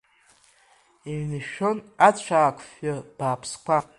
Иҩнышәшәон ацәаак фҩы бааԥсқәа.